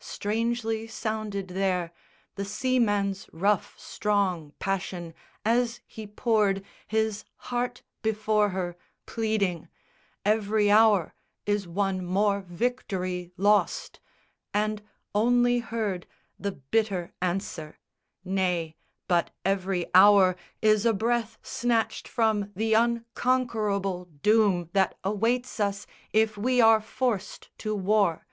Strangely sounded there The seaman's rough strong passion as he poured His heart before her, pleading "Every hour Is one more victory lost," and only heard The bitter answer "Nay, but every hour Is a breath snatched from the unconquerable Doom, that awaits us if we are forced to war.